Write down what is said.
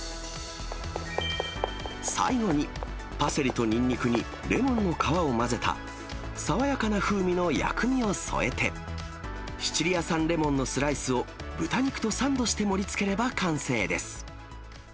最後にパセリとニンニクにレモンの皮を混ぜた、爽やかな風味の薬味を添えて、シチリア産レモンのスライスを豚肉とサンドして盛りつければ完成です。